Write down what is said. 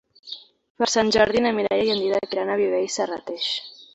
Per Sant Jordi na Mireia i en Dídac iran a Viver i Serrateix.